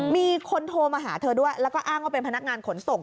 มีคนโทรมาหาเธอด้วยแล้วก็อ้างว่าเป็นพนักงานขนส่ง